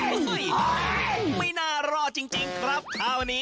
ไม่น่ารอดจริงครับคราวนี้